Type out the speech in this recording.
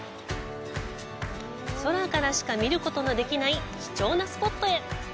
空からしか見ることのできない貴重なスポットへ。